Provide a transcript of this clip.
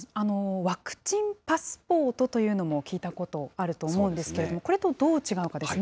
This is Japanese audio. ワクチンパスポートというのも聞いたことあると思うんですけれども、これとどう違うかですね。